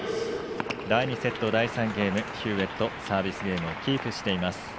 第２セット、第３ゲームヒューウェットサービスゲームをキープ。